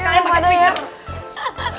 kalian pake finger